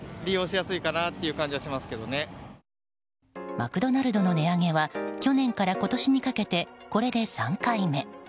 マクドナルドの値上げは去年から今年にかけてこれで３回目。